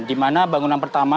di mana bangunan pertama